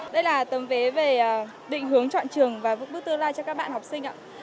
đây là tầm vế về định hướng chọn trường và bước tương lai cho các bạn học sinh ạ